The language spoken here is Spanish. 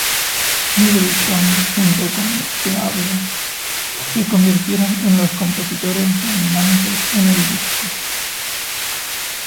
Middleton junto con Searle se convirtieron en los compositores dominantes en el disco.